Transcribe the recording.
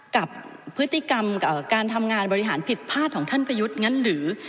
กับพฤติกรรมการทำงานบริหารผิดพลาดของท่านประยุทธ์งั้นหรือ